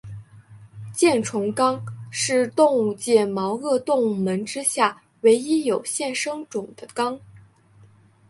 箭虫纲是动物界毛颚动物门之下唯一有现生种的纲。